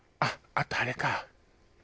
あとあれか。